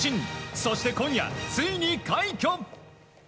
そして今夜、ついに快挙。